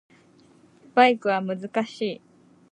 バイクは難しい